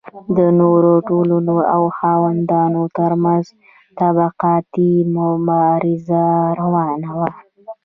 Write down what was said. نورو ټولنو او خاوندانو ترمنځ طبقاتي مبارزه روانه وه.